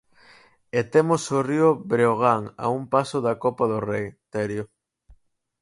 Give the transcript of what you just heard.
E temos o Río Breogán a un paso da Copa do Rei, Terio.